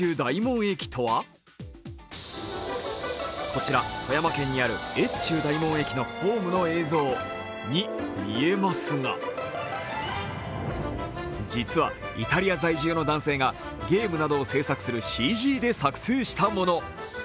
こちら富山県にある越中大門駅のホームの映像に見えますが実はイタリア在住の男性がゲ−ムなどを制作するＣＧで制作したもの。